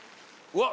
うわ。